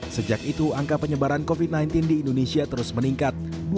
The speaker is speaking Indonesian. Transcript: sejak itu angka penyebaran covid sembilan belas di indonesia terus meningkat